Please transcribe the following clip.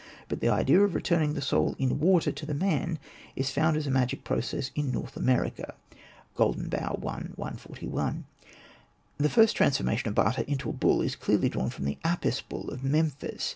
But the idea of returning the soul in water to the man is found as a magic process in North America ('' Golden Bough," i. 141). The first transformation of Bata, into a bull, is clearly drawn from the Apis bull of Memphis.